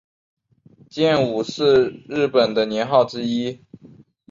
建武是日本的年号之一。